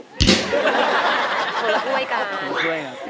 คนละค่วยกัน